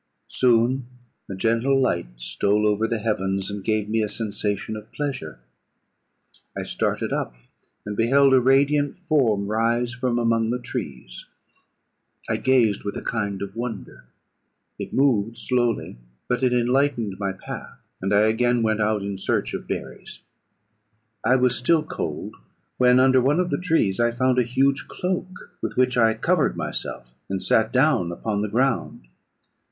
"Soon a gentle light stole over the heavens, and gave me a sensation of pleasure. I started up, and beheld a radiant form rise from among the trees. I gazed with a kind of wonder. It moved slowly, but it enlightened my path; and I again went out in search of berries. I was still cold, when under one of the trees I found a huge cloak, with which I covered myself, and sat down upon the ground.